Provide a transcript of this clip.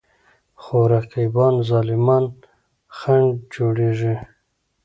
خو رقیبان ظالمان خنډ جوړېږي.